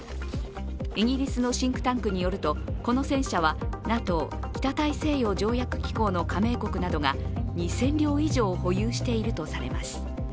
イギリスのシンクタンクによるとこの戦車はＮＡＴＯ＝北大西洋条約機構の加盟国などが２０００両以上、保有しているとされます。